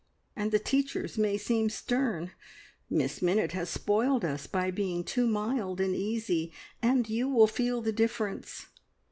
And the teachers may seem stern. Miss Minnitt has spoiled us by being too mild and easy, and you will feel the difference.